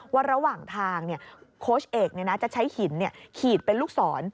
ว่าระหว่างทางโค้ชเอกจะใช้หินขีดเป็นลูกศร